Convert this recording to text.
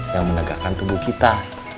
yang menegakkan tubuh kita